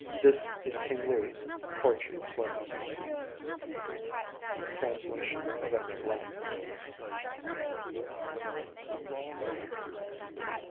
This is King Louis's orchard close! Translation of Andrew Lang.